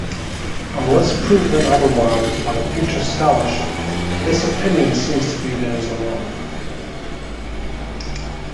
Unless proven otherwise by future scholarship, this opinion seems to be theirs alone.